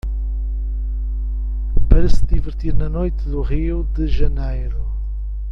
para se divertir na noite do Rio de Janeiro.